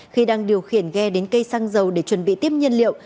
khi đang điều khiển ghe đến cây xăng dầu để chuẩn bị tiếp nhân liệu